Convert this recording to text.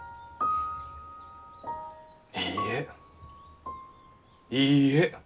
いいえいいえ！